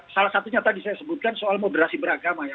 salah satunya tadi saya sebutkan soal moderasi beragama ya